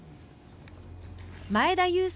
前田裕介